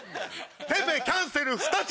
ペペキャンセル２つ！